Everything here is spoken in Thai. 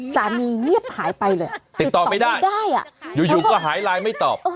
สามีเงียบหายไปเลยติดต่อไม่ได้อ่ะอยู่ก็หายไลน์ไม่ตอบ